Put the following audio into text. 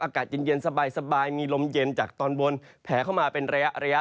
อากาศเย็นสบายมีลมเย็นจากตอนบนแผลเข้ามาเป็นระยะ